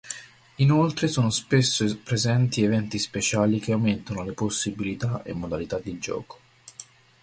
Inoltre sono spesso presenti eventi speciali che aumentano le possibilità e modalità di gioco.